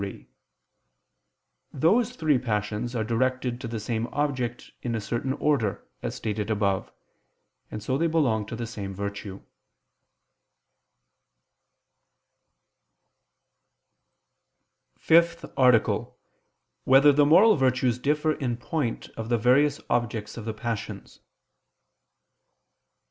3: Those three passions are directed to the same object in a certain order, as stated above: and so they belong to the same virtue. ________________________ FIFTH ARTICLE [I II, Q. 60, Art. 5] Whether the Moral Virtues Differ in Point of the Various Objects of the Passions?